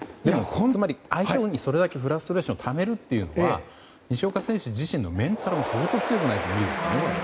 つまり相手にそれだけフラストレーションをためるというのは西岡選手自身のメンタルも相当強くないと無理ですよね。